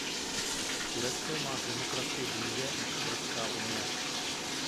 Turecko má k demokracii blíže než Evropská unie.